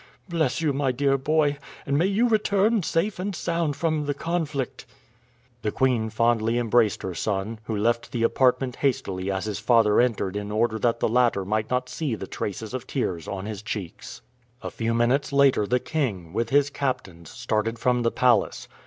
Bless you, my dear boy, and may you return safe and sound from the conflict!" The queen fondly embraced her son, who left the apartment hastily as his father entered in order that the latter might not see the traces of tears on his cheeks. A few minutes later the king, with his captains, started from the palace.